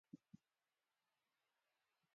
په هندوستان کې موسم پر کار بنديز نه لګوي.